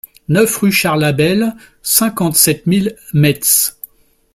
neuf rue Charles Abel, cinquante-sept mille Metz